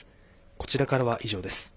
こちらからは以上です。